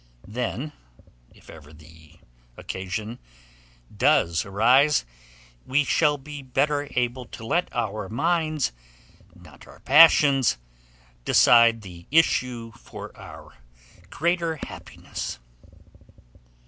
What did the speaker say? Then, if ever the occasion does arise, we shall be better able to let our minds, not our passions, decide the issue for our greater happiness.